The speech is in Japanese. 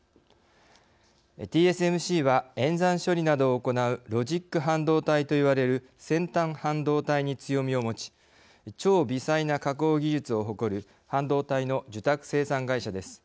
ＴＳＭＣは演算処理などを行うロジック半導体といわれる先端半導体に強みを持ち超微細な加工技術を誇る半導体の受託生産会社です。